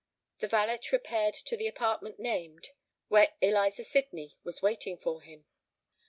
The valet repaired to the apartment named, where Eliza Sydney was waiting for him.